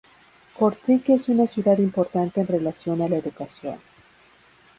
Cortrique es una ciudad importante en relación a la educación.